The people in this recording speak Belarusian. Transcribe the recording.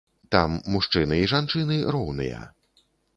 Там мужчыны і жанчыны роўныя.